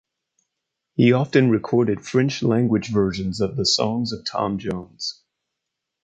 He often recorded French language versions of the songs of Tom Jones.